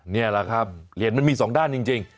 นี่แหละครับเหรียญมันมีสองด้านจริง